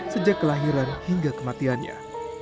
sejak kelahiran hingga kematiannya